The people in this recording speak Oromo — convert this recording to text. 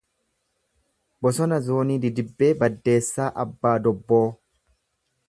Bosona Zoonii Didibbee Baddeessa Abba Dobboo